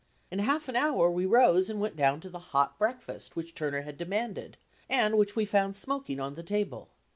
In half an hour we rose and went down to the hot breakfast which Turner had demanded and which we found smoking on the table.